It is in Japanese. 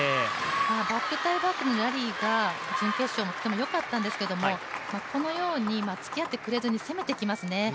バック対バックのラリーが準決勝含め、よかったんですけれどもこのようにつきあってくれずに、攻めてきますね。